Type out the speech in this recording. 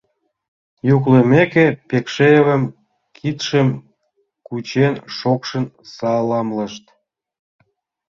Йӱклымеке, Пекшиевым, кидшым кучен, шокшын саламлышт.